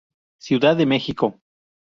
Ciudad de Mexico.